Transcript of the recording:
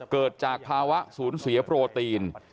เกิดจากภาวะศูนย์เสียโปรตีน